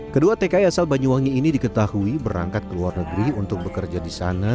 kedua tki asal banyuwangi ini diketahui berangkat ke luar negeri untuk bekerja di sana